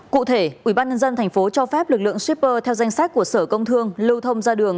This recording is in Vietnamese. cụ thể ubnd tp cho phép lực lượng shipper theo danh sách của sở công thương lưu thông ra đường